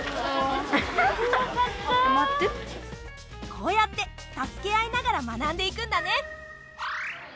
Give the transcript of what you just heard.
こうやって助け合いながら学んでいくんだね。